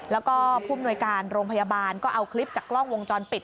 แล้วก็ผู้มนวยการโรงพยาบาลก็เอาคลิปจากกล้องวงจรปิด